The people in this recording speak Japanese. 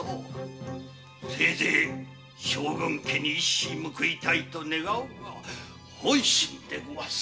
せいぜい将軍家に一矢報いたいと願うが本心です。